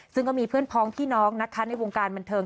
ซึ่งก็มีเพื่อนพ้องพี่น้องนะคะในวงการบันเทิง